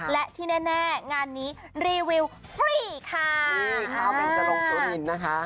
และที่แน่งานนี้รีวิวฟรีค่ะรีวิวฟรีค่ะมันจะลงสู่อินนะคะ